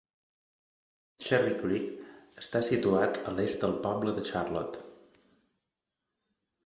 Cherry Creek està situat a l'est del poble de Charlotte.